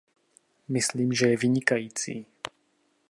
Myslím, že je vynikající.